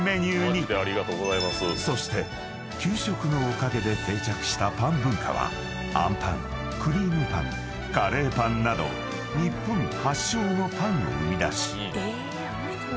［そして給食のおかげで定着したパン文化はあんパンクリームパンカレーパンなど日本発祥のパンを生み出し］